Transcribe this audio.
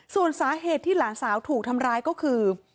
ส่วนสาเหตุที่หลานสาวถูกทำร้ายก็คือ